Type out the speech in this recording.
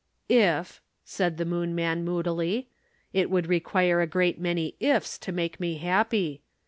"If," said the Moon man moodily. "It would require a great many 'ifs' to make me happy.